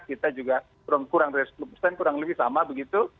kita juga kurang lebih sama begitu